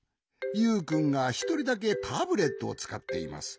ユウくんがひとりだけタブレットをつかっています。